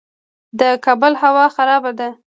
د کابل هوا خرابه ده